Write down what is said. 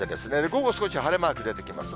午後、少し晴れマーク出てきます。